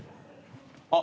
あっ。